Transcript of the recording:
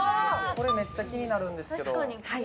これめっちゃ気になるんですけど確かにこれは？